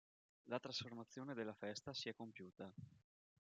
La trasformazione della festa si è compiuta.